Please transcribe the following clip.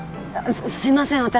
すすいません